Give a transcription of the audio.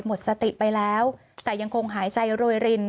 หมดสติไปแล้วแต่ยังคงหายใจโรยริน